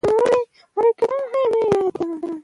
افغانستان د کندز سیند له پلوه له هېوادونو سره اړیکې لري.